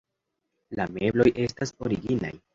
La mebloj estas originaj.